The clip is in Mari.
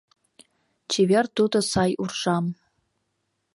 Чевер туто сай уржам